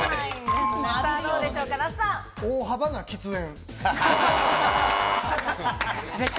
大幅な喫煙。